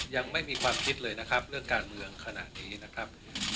ยังไม่มีความคิดเลยนะครับเรื่องการเมืองขนาดนี้นะครับ